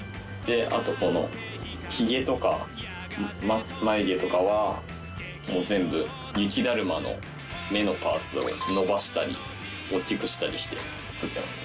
あとこの髭とか眉毛とかは全部雪だるまの目のパーツを伸ばしたり大きくしたりして作ってます。